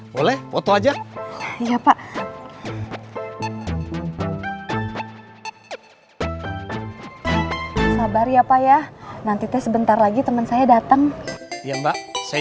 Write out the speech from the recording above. boleh foto aja iya pak sabar ya pak ya nanti teh sebentar lagi teman saya datang ya mbak saya